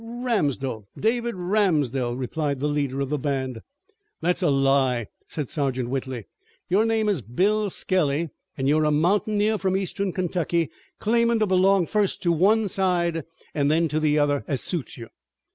"Ramsdell, David Ramsdell," replied the leader of the band. "That's a lie," said Sergeant Whitley. "Your name is Bill Skelly, an' you're a mountaineer from Eastern Kentucky, claimin' to belong first to one side and then to the other as suits you."